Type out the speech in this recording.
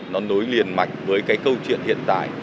nó nối liền mạch với cái câu chuyện hiện tại